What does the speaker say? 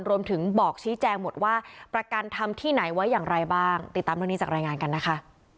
บอกชี้แจงหมดว่าประกันทำที่ไหนไว้อย่างไรบ้างติดตามเรื่องนี้จากรายงานกันนะคะ